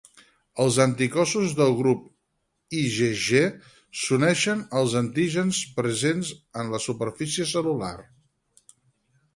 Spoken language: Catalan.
Els anticossos del tipus IgG s’uneixen als antígens presents en la superfície cel·lular.